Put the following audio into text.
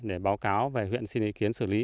để báo cáo về huyện xin ý kiến xử lý